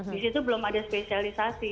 di situ belum ada spesialisasi